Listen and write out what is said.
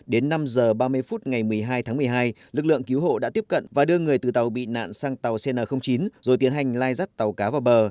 đến năm h ba mươi phút ngày một mươi hai tháng một mươi hai lực lượng cứu hộ đã tiếp cận và đưa người từ tàu bị nạn sang tàu cn chín rồi tiến hành lai dắt tàu cá vào bờ